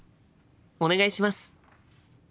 お願いします！